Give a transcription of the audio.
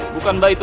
bukan mbak itu